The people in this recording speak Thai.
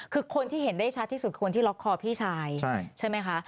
คือคนที่เห็นได้ชัดที่สุดคือคนที่ล็อกคอพี่ชายใช่ไหมคะ